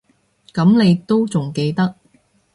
噉你都仲記得